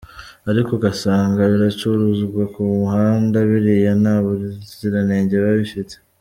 ariko ugasanga biracuruzwa ku muhanda, biriya nta buzirange biba bifite.